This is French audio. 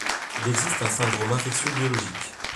Il existe un syndrome infectieux biologique.